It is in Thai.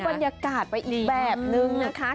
บรรยากาศไปอีกแบบนึงนะคะ